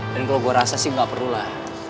dan kalau gue rasa sih gak perlulah